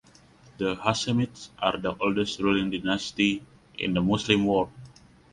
The Hashemites are the oldest ruling dynasty in the Muslim world.